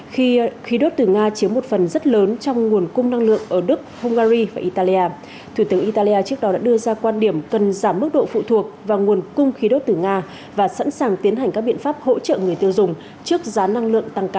khi khí đốt từ nga chiếm một phần rất lớn trong nguồn cung năng lượng ở đức hungary và italia thủ tướng italia trước đó đã đưa ra quan điểm cần giảm mức độ phụ thuộc vào nguồn cung khí đốt từ nga và sẵn sàng tiến hành các biện pháp hỗ trợ người tiêu dùng trước giá năng lượng tăng cao